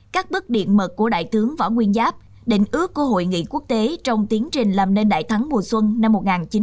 các bức điện mật của đại tướng võ nguyên giáp đỉnh ước của hội nghị quốc tế trong tiến trình làm nên đại thắng mùa xuân năm một nghìn chín trăm bảy mươi năm